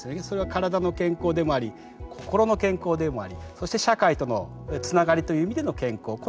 それは体の健康でもあり心の健康でもありそして社会とのつながりという意味での健康。